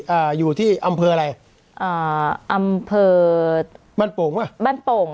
อ่าอยู่ที่อำเภออะไรอ่าอำเภอบ้านโป่งป่ะบ้านโป่ง